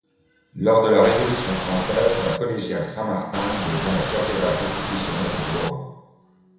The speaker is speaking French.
Lors de la Révolution française, la collégiale Saint-Martin devient la cathédrale constitutionnelle du Haut-Rhin.